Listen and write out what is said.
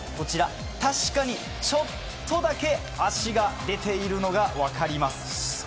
確かに、ちょっとだけ足が出ているのが分かります。